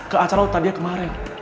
ke acara otot dia kemarin